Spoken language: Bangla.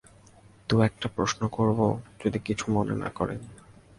দু-একটা প্রশ্ন করব, যদি কিছু মনে না করেন।